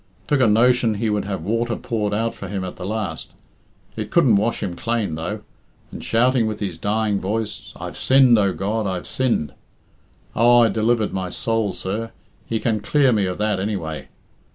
Took a notion he would have water poured out for him at the last. It couldn't wash him clane, though. And shouting with his dying voice, 'I've sinned, O God, I've sinned!' Oh, I delivered my soul, sir; he can clear me of that, anyway.